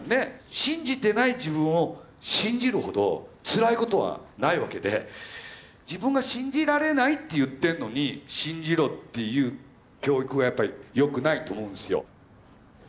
信じてない自分を信じるほどつらいことはないわけで自分が信じられないって言ってるのに信じろっていう教育はやっぱりよくないと思うんですよ。